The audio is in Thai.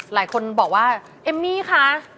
หลายคนบอกว่าเอมมี่คะ